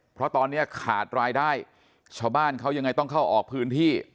เพราะตอนนี้ขาดรายได้ชาวบ้านเขายังไงต้องเข้าออกพื้นที่